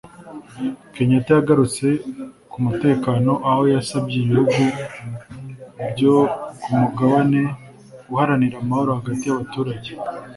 Kenyatta yagarutse ku mutekano aho yasabye ibihugu byo ku mugabane guharanira amahoro hagati y’abaturage